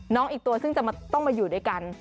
อีกตัวซึ่งจะต้องมาอยู่ด้วยกัน